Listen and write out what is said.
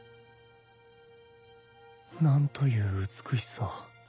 なんという美しさ。